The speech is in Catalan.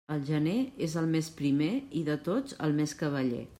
El gener és el mes primer i de tots el més cavaller.